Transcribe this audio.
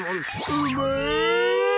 うまい！